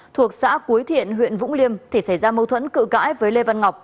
thuộc xã cuối thiện huyện vũng liêm thì xảy ra mâu thuẫn cự cãi với lê văn ngọc